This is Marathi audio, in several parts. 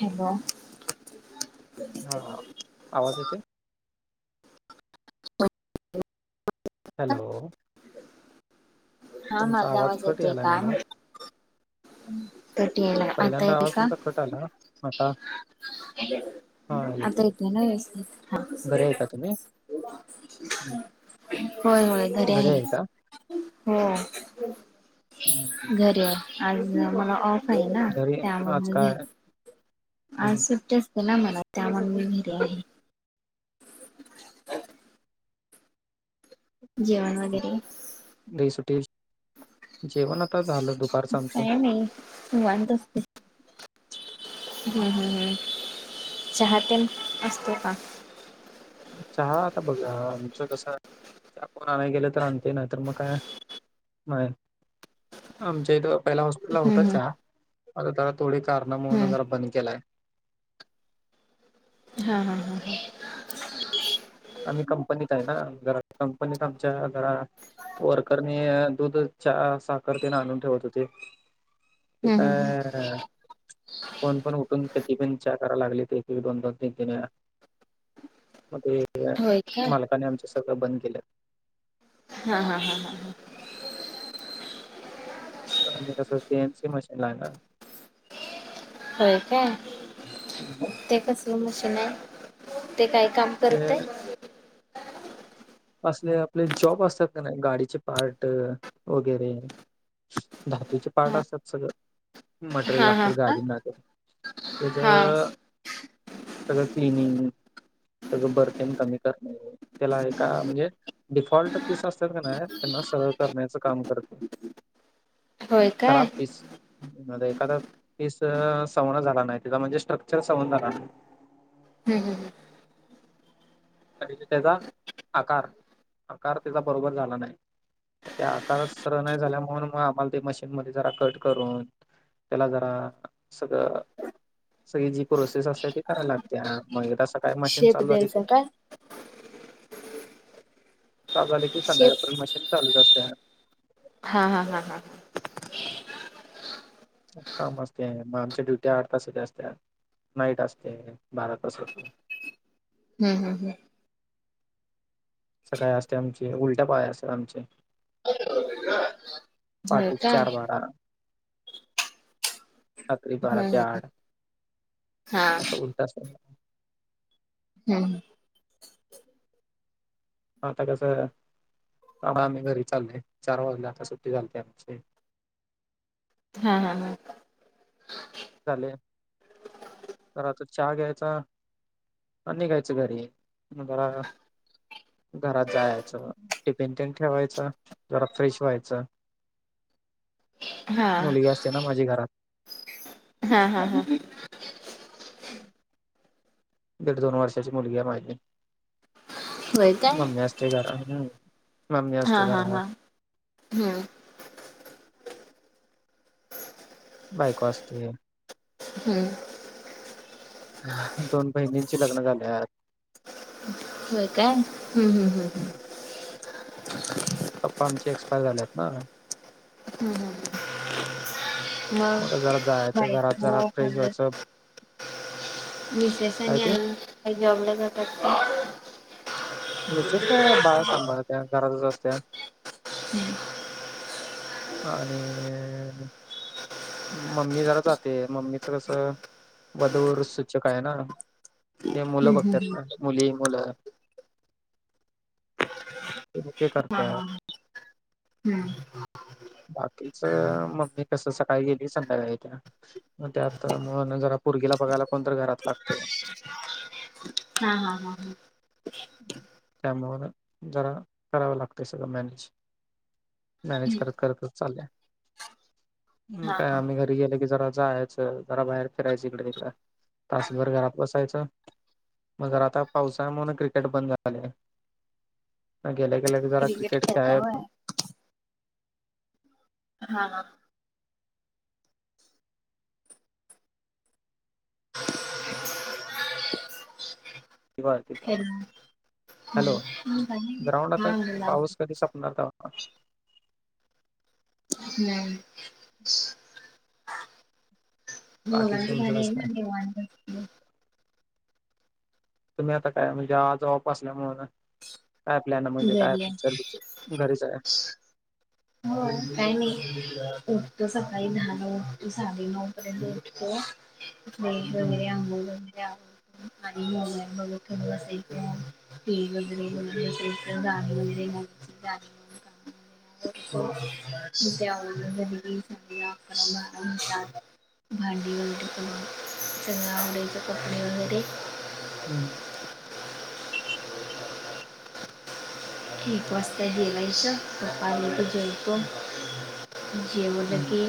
हॅलो हा आवाज येतोय? हॅलो हां, तुमचा माझा आवाज कट येतोय यालाय का मला म्हंट कटी यालाय, पहिल्यांदा आवाज तुमचा कट आला आता! हां हा आता येथे येतोय ना व्यवस्थित घरी आहे का तुम्ही हा, हं, होय होय घरी आहे. हो हं, हं. घरी आहे आज मला ऑफ. आहे ना घरी आज त्यामुळे. काय हं, आज हं. सुट्टी असते ना मला, त्यामुळे मी घरी आहे. जेवण वगैरे, टेस्ट टेस्ट जेवण आता झालं. दुपारचं आमचं काय नाही, निवांत असते. ह ह चहा तेन असतो का. चहा आता बघा आमचं कसय चहा कोण आणाय गेलं तर आणतय नाही तर मग काय. होय, आमच्या इथ पहिला हॉस्पिटलला होता हम्म हम्म चहा. आता जरा थोडी कारणामूळन हम्म जरा बंद केलाय. हा हा हा, आम्ही कंपनीत आहे ना, जरा कंपनीत आमच्या जरा! वर्करनी दूध चहा साखर तेन आणून ठेवत होते, ते हम्म हम्म हम्म काय, कोण पण उठून कधी पण चहा करायला लागलेत एक एक दोन दोन तीन तीन वेळा. मग ते काय होय काय मालकान आमच्या सगळं बंद केलं. हा हा हा हा ह, ते आम्ही कस सीएन सी मशीन ला हाय ना. होय काय ते कसल मशीन आहे ते काय काम. ते करतय, असले आपले जॉब असतात का नाही गाडीचे पार्ट वगैरे. धातूचे पार्ट हा असतात सगळं, मटेरियल हा हा लागत हा गाडीना तेन त्याच, हा सगळं क्लिनिंग सगळं बर तेन कमी करतय त्याला हाय. का म्हणजे डिफॉल्ट पीस असतात का नाही त्यांना सरळ करण्याचं काम करते. होय काय खराब पीस, यामध्ये एखादा पीस सवण झाला नाही तिचा म्हणजे स्ट्रक्चर सवण झाला नाही. हम् हम ह, आणि बी त्याचा आकार आकार त्याचा बरोबर झाला नाही. म त्या आकारच सरळ नाही झाल्या म्हणून मग आम्हाला ते मशीनमध्ये जरा कट करून. त्याला जरा सगळं, सगळी जी प्रोसेस असते ती करायला लागते मग एकदास काय मशीन शेप चालू झाल द्यायचा की. काय, चालू आले की संध्याकाळ पर्यंत शेप मशीन चालूच असतिया. हा हा हा हा, काम असतय आणि आमच्या ड्युटी आठ तास असत्यात नाईट असतय आणि बारा तास हो. हम् हम हम, सकाळी असते आमचे उलट्या पाळ्या असतात आमचे. ह, पहाटेच चार बारा, रात्री बारा हम्म ते हम्म आठ हा असं होत असतं ना हम् आता कसं कामावरनं आम्ही घरी चाललोय चार वाजले आता सुट्टी झालती आमची हा हा हा चाललय तर चहा घ्यायचा आणि निघायचं घरी भरारा घरात जायचं टिफिन तेन ठेवायचं जरा फ्रेश व्हायचं ह [inaudible] मुलगी असते ना माझी घरात हा हा हा हा हम्म दीड दोन वर्षाची मुलगी आहे माझी होय काय मम्मी असते घरमधी हा हा हा हम्म बायको असत्या हम्म दोन बहिणींची लग्न झाल्यात होय काय हम् हम् हम् हम् पप्पा आमचे एक्सपायर झालेत ना ह ह ह होय मग जरा जायचं घरात बायको जरा आहे फ्रेश म्हणले त व्हायचं मिसेस काय आणि ते आई काही जॉबला जातात का मिसेस काय बाळ सांभाळत्या घरातच असत्या ह आणि मम्मी जरा जाते मम्मीच कस वधूवर सूचक आहे ना कोन मुलं हम्म हम्म बघतात मुली मुलं त हे ते हम्म. हा हा करतात हम्म बाकीच मग ते कस स काळी गेली की संध्याकाळी येत्या मग त्यात मग जरा पुरगीला बघायला कोण तर घरात लागतय हा हा हा हा त्यामुळं जरा करावं लागतंय सगळं मॅनेज मॅनेज करत करतच चाललय म हा काय हा आम्ही घर री गेलं की जरा जायचं जरा बाहेर फिरायचं इकडं तिकडं तासभर घरात बसायचं मग जरा आता पावसाळा म्हणून क्रिकेट बंद झालय गेल्या गेल्या जरा क्रिकेट क्रिकेटची खेळता आवड व्हय? हा हा वाळतय तवा हॅलो हॅलो हम्म ग्राउंड आता हा लाव पाऊस कधी संपणार तवा [inaudible] नाही [unintelligible] बाकीच मुलाचं तुमचं भारी आहे कसं काय? ना निवांत असते तुम्ही आता काय म्हणजे आज ऑफ असल्या म्हणून काय प्लॅन म्हणजे काय घरी पिक्चर आहे. बिक्चर घरीच आहे हो काय नाही उठतो सकाळी दहाला उठतो साडेनऊ पर्यंत उठतो उठून आंघोळ हम्म वगैरे आवरतो आणि मोबाईल बघत बसायचं कधी टीव्ही वगैरे बघायची असेल तर गाणी वगैरे लावून [unintelligible] हम्म [inaudible] भांडी वगैरे पण ए. सगळं आवरायचं कपडे वैगेरे. हं. एक वाजता जेवायचं. पप्पा आले की जेवतो. हम्म जेवलो हम्म की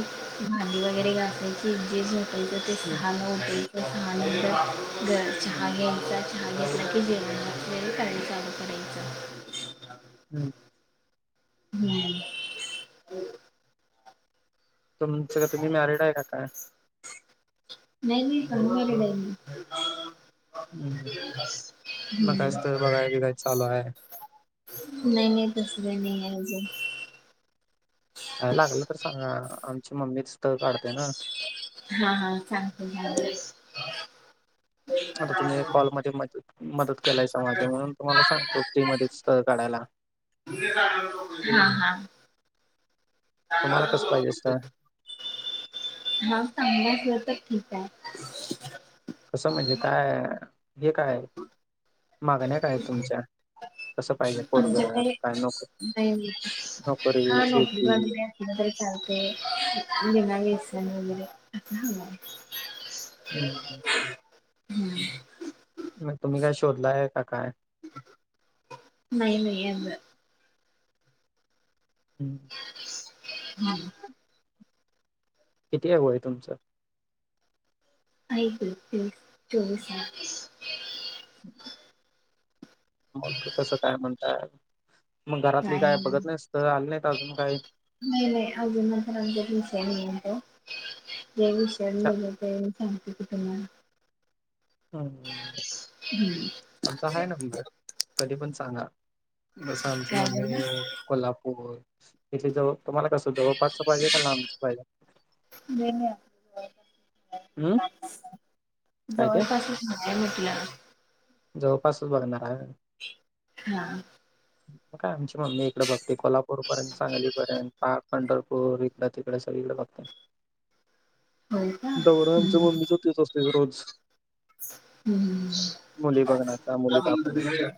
भांडी वगैरे घासायची. जे झोपायचं ते हम्म सहाला उठायचं. सहानंतर चहा घ्यायचा. चहा घेतला की जेवणाची वगैरे तयारी चालू करायची. हं. हम्. तुमचं काय? तुम्ही मॅरिड आहे काय? नाही मी [unintelligible] हम्म मग काय हम्. स्थळ बघाय बिघाय चालू आहे? नाही तस काही नाही आहे अजून. काही लागलं तर सांगा. आमची मम्मीच स्थळ काढते ना? हा. हा. सांगतो. [unintelligible] आता तुम्ही एक कॉलमध्ये मदत केलायसा माझी. म्हणून तुम्हाला सांगतो फ्री मध्येच स्थळ काढायला. हा हा. हा. तुम्हाला कसं पाहिजे स्थळ? चांगल असला तर ठीक आहे. कसं म्हणजे काय? हे काय मागण्या काय तुमच्या? कसं पाहिजे पोरग आमच्याकडे काय नोक [unintelligible] हा नोकरी शेती नोकरी [unintelligible] [unintelligible] चालतंय. बिना व्यसनी वगैरे. हम्म हम्म. मग तुम्ही काय शोधलाय का काय? नाही नाही. [unintelligible] हम्म. हम्म. किती आहे वय तुमचं? [unintelligible] चोवीस आहे. मग कसं काय म्हणताय? मग घरातली काय बघत नाहीत स्थळ? आली नाहीत अजून काही? नाही नाही. अजून तर आमच्या विषय नाही तो. जेव्हा विषय निघेल तेव्हा- सांगते [unintelligible] हम्म हम्म. आमचा आहे नंबर. कधी पण सांगा. तस आमची काय बोलला मम्मी- कोल्हापूर इथे जवळ, तुम्हाला कसं जवळपासचं पाहिजे का लांबचं पाहिजे? हम्म काय ते जवळपास. नाही म्हंटल. जवळपासच बघणार आहे व्हय. हा. हम् म काय आमची मम्मी इकडे बघते. कोल्हापूरपर्यंत सांगली पर्यंत पार पंढरपूर इकड तिकडे सगळीकडे बघते. होय का दौरा आमच्या हम्म मम्मीच तेच असतोय की रोज. [unintelligible] मुली बघण्याचा मुली दाखवण्याचा हम्म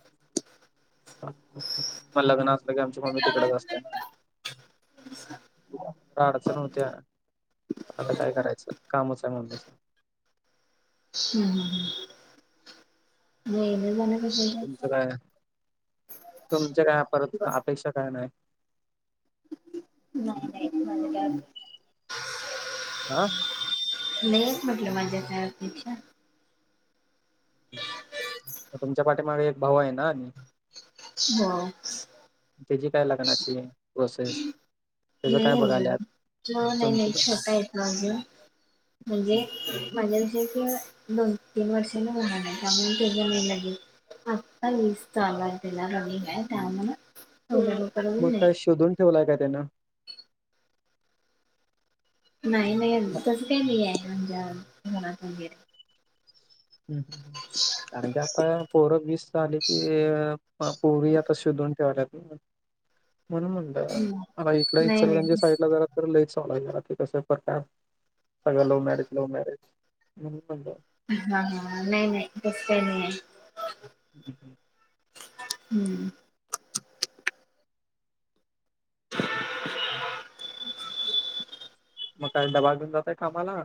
मग लग्न असलं की आमची मम्मी तिकडेच असते. ना शिल्पा अडचण होत्या आता काय करायचं कामच आहे मम्मीच. वहिनी झाल्यापासून काय [inaudible] तुच काय तुमच काय परत अपेक्षा काय नाही? नाही नाही म्हणले [inaudible] आ नाहीे असं [inaudible] म्हटलं माझ्या काही अपेक्षा तुमच्या पाठीमाग एक भाऊ आहे ना. [unintelligible] तुझी [unintelligible] काय लग्नाची प्रोसेस नाही काय म्हणजे बघायल्यात नाही तुमचं नाही तर- छोटया माझ [unintelligible] म्हणजे माझ्यापेक्षा दोन तीन वर्षाने लहान आहे त्यामुळे त्याला वेळ लागेल [inaudible] आता लस टोचून [inaudible] आणलय [inaudible] त्यामुळे अ एवढ्या [unintelligible] लवकर मग अजून नाही काय शोधून ठेवलाय का त्यांनी नाही नाही तसं काही नाही आहे आमच्या घरात वगैरे, हं [unintelligible] कारण की आता पोर वीस, झाली की पोरी आता शोधून ठेवाल्यात म्हणून म्हणल हम्म. आता इकड नाही नाही इचलकरंजी तस साईड ला जरा तर लईच चालू आहे ते कस प्रकार सगळं लव्ह मॅरेज लव्ह मॅरेज म्हणल हा हा नाही नाही तस काही नाही आहे. हं [unintelligible] हम्म [unintelligible] [inaudible] मग काय डबा घेऊन जाताय कामाला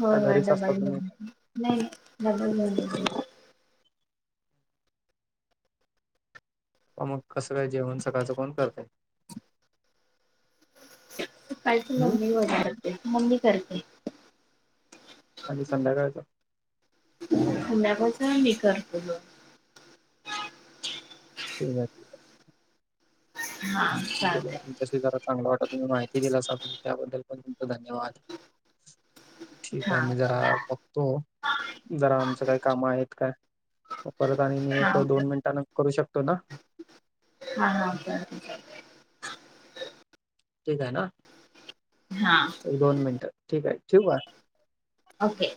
होय का होय घरीच डबा असता तुम्ही? घेऊन जातोय [inaudible] नाही डबा मग कसं काय जेवण सकाळचं कोण करतय. काल [unintelligible] त हम्म मम्मी वगैर करते मम्मी करते आणि संध्याकाळच संध्याकाळच मी करते [unintelligible] हा बोललो चालतंय. तुमच्याशी जरा चांगल वाटल, तुम्ही माहिती दिल्यासा त्याबद्दल पण तुमच धन्यवाद. ठीक आहे हा मी जरा बघतो जरा आमचं काही काम आहेत काय? परत आणि मी हा एक दोन हा मिनिटाने करू शकतो ना. हा हा [unintelligible] ठीक आहे ना हा दोन मिनिटं ठीक आहे ठेऊ का? ओके